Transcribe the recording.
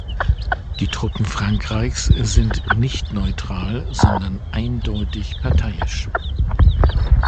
Die Truppen Frankreichs sind nicht neutral, sondern eindeutig parteiisch.